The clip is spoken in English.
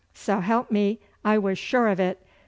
'S'help me, I was sure of it!